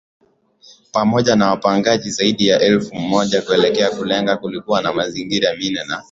pamoja na wapagaji zaidi ya elfu moja kuelekea Kalenga Walikuwa na mizinga minne na